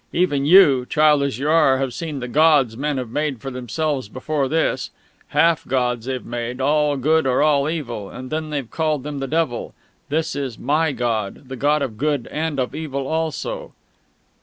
"Even you, child as you are, have seen the gods men have made for themselves before this. Half gods they've made, all good or all evil (and then they've called them the Devil). This is my god the god of good and of evil also."